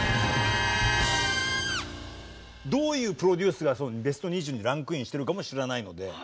どういうプロデュースがベスト２０にランクインしてるかも知らないので。